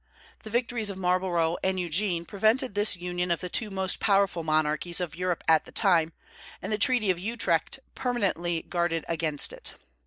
The victories of Marlborough and Eugene prevented this union of the two most powerful monarchies of Europe at that time, and the treaty of Utrecht permanently guarded against it.